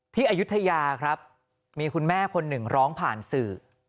อายุทยาครับมีคุณแม่คนหนึ่งร้องผ่านสื่อ